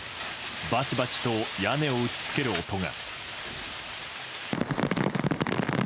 バチバチと屋根を打ち付ける音が。